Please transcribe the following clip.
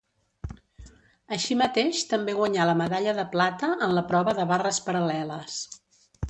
Així mateix també guanyà la medalla de plata en la prova de barres paral·leles.